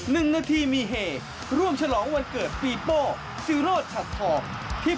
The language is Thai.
นึงนาทีมีเฮวันนี้นะครับไปร่วมแสดงความยินดีกับประตูแรกในนามทีมชาติไทยของเจ้าปิโป้ศรีโรธชัดทอง